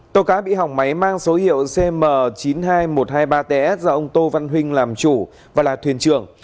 tàu cá bị hỏng máy mang số hiệu cm chín mươi hai nghìn một trăm hai mươi ba ts do ông tô văn huynh làm chủ và là thuyền trưởng